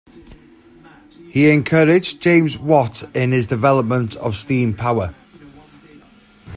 He encouraged James Watt in his development of steam power.